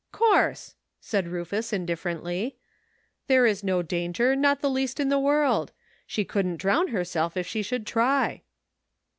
"'Course," said Rufus indifferently, "there is no danger, not the least in the world. She couldn't drown herself if she should try."